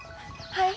はい。